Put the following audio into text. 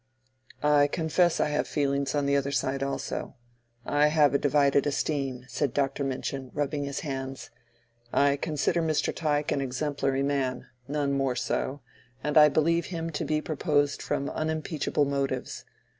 "I confess I have feelings on the other side also. I have a divided esteem," said Dr. Minchin, rubbing his hands. "I consider Mr. Tyke an exemplary man—none more so—and I believe him to be proposed from unimpeachable motives.